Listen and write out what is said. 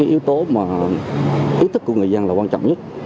yếu tố mà ý thức của người dân là quan trọng nhất